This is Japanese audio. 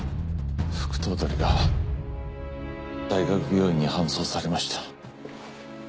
副頭取が大学病院に搬送されました。